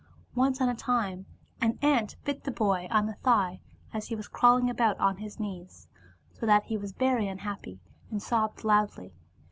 Once on a time an ant bit the boy on the thigh as he was crawling about on his knees, so that he was very unhappy and sobbed loudly.